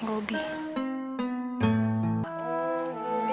mbak rere seandainya mbak robi